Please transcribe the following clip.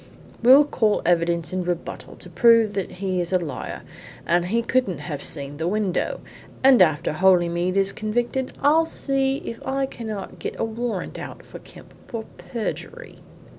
We'll call evidence in rebuttal to prove that he is a liar that he couldn't have seen the window. And after Holymead is convicted I'll see if I cannot get a warrant out for Kemp for perjury."